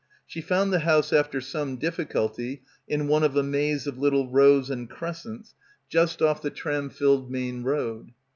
She found the house after some difficulty in one of a maze of little rows and crescents just off the tram filled main road.